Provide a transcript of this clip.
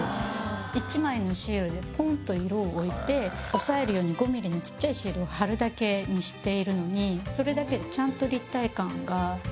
１枚のシールでポンと色を置いて押さえるように５ミリのちっちゃいシールを貼るだけにしているのにそれだけでちゃんと。